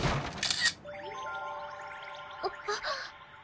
あっ。